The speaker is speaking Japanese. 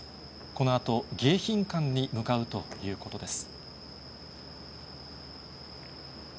このあと迎賓館に向かうということです。